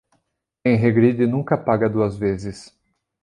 Quem regride nunca paga duas vezes.